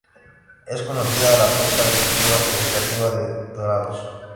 Es conocida la pesca deportiva y recreativa de dorados.